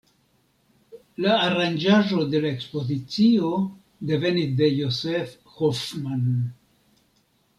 La aranĝaĵo de la ekspozicio devenis de Josef Hoffmann.